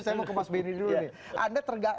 saya mau ke mas benny dulu nih